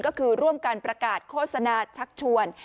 ก็คือร่วมกันประกาศโฆษณาชักชวน